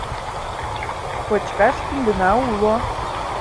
Кочкаш киндына уло.